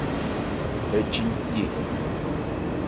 Ɛ chi ncye.